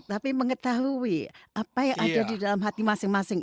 tapi mengetahui apa yang ada di dalam hati masing masing